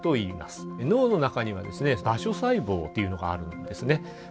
脳の中には場所細胞っていうのがあるんですね。